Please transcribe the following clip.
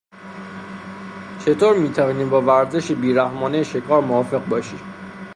چطور میتوانی با ورزش بیرحمانهی شکار موافق باشی؟